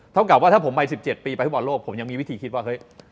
เท่ากับว่าถ้าผมไป๑๗ปีไปภูมิประบอบโลกผมยังมีวิธีคิดว่า